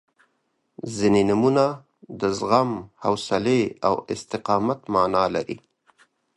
• ځینې نومونه د زغم، حوصلې او استقامت معنا لري.